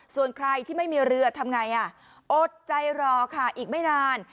ส่วนใครที่ไม่มีเรือทำไงอดใจรอค่ะอีกไม่นาน